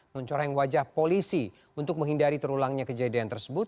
mencoreng wajah polisi untuk menghindari terulangnya kejadian tersebut